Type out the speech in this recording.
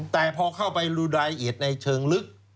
แต่พอเข้าไปดูรายละเอียดในเชิงลึก